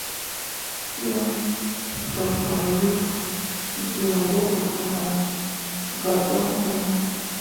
Fîi tokcwaklii gin wo mo gah joŋ ɗene ?